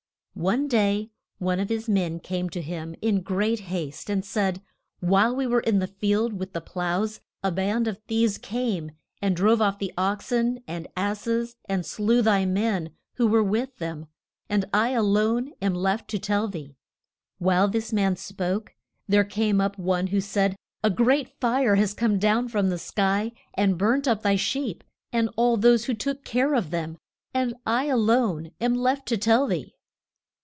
One day one of his men came to him in great haste, and said, While we were in the field with the ploughs, a band of thieves came and drove off the ox en and ass es and slew thy men who were with them, and I a lone am left to tell thee. While this man spoke, there came up one who said, A great fire has come down from the sky and burnt up thy sheep, and all those who took care of them, and I a lone am left to tell thee.